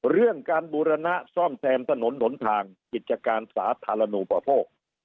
เรื่องการบูรณะซ่อมแซมถนนหนทางกิจการสาธารณูปโภค